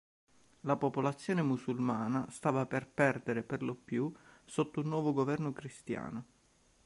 La popolazione musulmana stava per perdere per lo più sotto un nuovo governo cristiano.